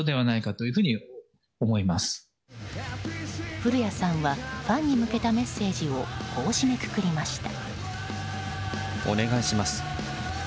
降谷さんはファンに向けたメッセージをこう締めくくりました。